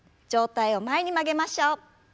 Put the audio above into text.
上体を前に曲げましょう。